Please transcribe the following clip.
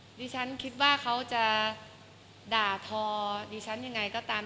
ดิฉันคิดว่าเขาจะด่าทอดิฉันยังไงก็ตาม